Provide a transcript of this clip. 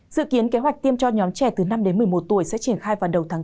dự kiến kế hoạch tiêm cho nhóm trẻ từ năm đến một mươi một tuổi sẽ triển khai vào đầu tháng bốn